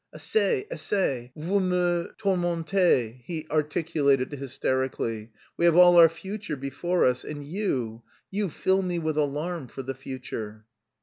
Assez, assez, vous me tourmentez," he articulated hysterically, "we have all our future before us, and you... you fill me with alarm for the future."